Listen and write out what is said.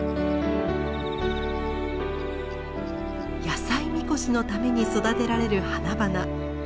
野菜神輿のために育てられる花々。